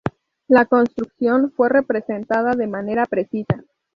La construcción fue representada de manera precisa.